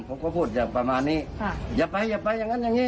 คือบอกว่าผู้โดยสารไม่ดีหรือว่ายังไง